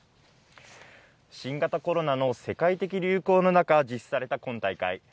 新型コロナの世界的流行の中、実施しされた今大会。